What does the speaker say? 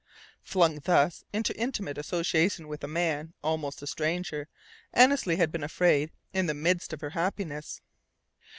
Flung thus into intimate association with a man, almost a stranger, Annesley had been afraid in the midst of her happiness.